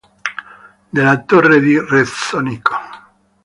Della Torre di Rezzonico